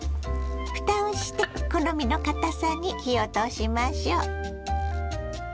ふたをして好みのかたさに火を通しましょ。